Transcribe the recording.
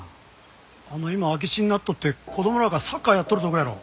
あの今空き地になっとって子供らがサッカーやっとるとこやろ。